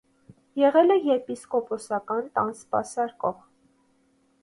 Եղել է եպիսկոպոսական տան սպասարկող։